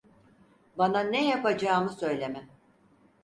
Bana ne yapacağımı söyleme!